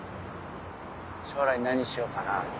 将来何しようかなって。